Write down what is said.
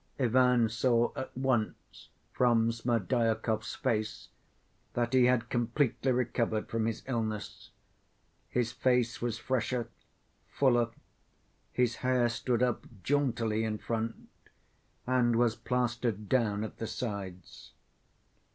Ivan saw at once from Smerdyakov's face that he had completely recovered from his illness. His face was fresher, fuller, his hair stood up jauntily in front, and was plastered down at the sides.